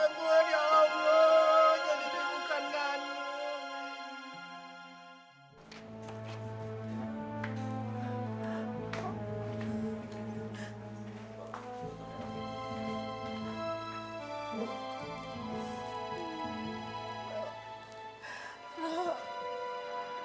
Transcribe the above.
ya allah jadi dia bukan kandung